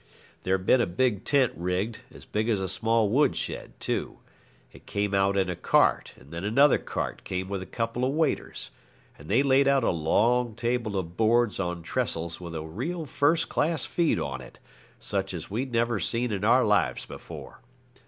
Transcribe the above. There'd been a big tent rigged, as big as a small woolshed, too. It came out in a cart, and then another cart came with a couple of waiters, and they laid out a long table of boards on trestles with a real first class feed on it, such as we'd never seen in our lives before.